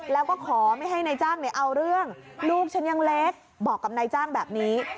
แล้วก็ขอไม่ให้นายจ้างเอาเรื่องลูกฉันยังเล็กบอกกับนายจ้างแบบนี้